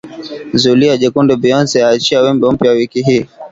Zulia jekundu Beyonce aachia wimbo mpya wiki hii.